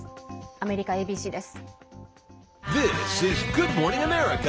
アメリカＡＢＣです。